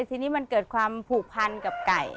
ทีนี้มันเกิดความผูกพันกับไก่